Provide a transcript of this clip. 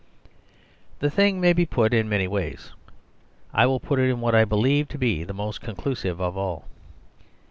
The thing may be put in many ways. I will put it in what I believe to be the most conclusive of all.